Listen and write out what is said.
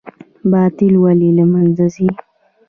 باطل ولې له منځه ځي؟